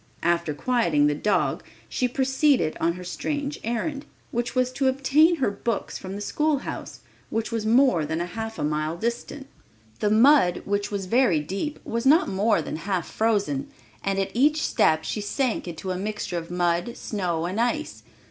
After quieting the dog, she proceeded on her strange errand, which was to obtain her books from the schoolhouse, which was more than half a mile distant. The mud, which was very deep, was not more than half frozen, and at each step she sank into a mixture of mud, snow and ice.